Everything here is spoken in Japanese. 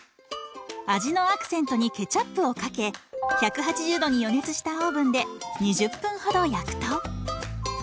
味のアクセントにケチャップをかけ１８０度に予熱したオーブンで２０分ほど焼くと。